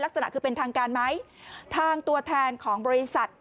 ลักษณะคือเป็นทางการไหมทางตัวแทนของบริษัท